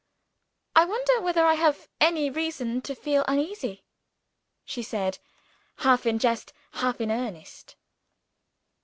"I wonder whether I have any reason to feel uneasy?" she said half in jest, half in earnest.